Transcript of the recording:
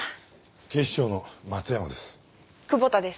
警視庁の松山です。